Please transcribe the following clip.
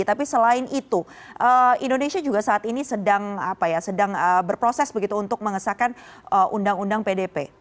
tapi selain itu indonesia juga saat ini sedang berproses untuk mengesahkan undang undang pdp